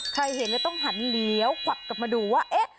ใครเห็นต้องหันเหลียวกวัดกลับมาดูว่า